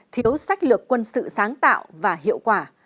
thiếu sách lược quân sự sáng tạo và hiệu quả